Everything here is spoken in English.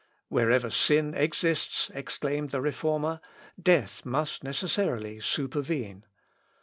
"Wherever sin exists," exclaimed the Reformer, "death must necessarily supervene.